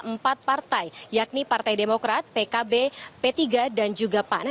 empat partai yakni partai demokrat pkb p tiga dan juga pan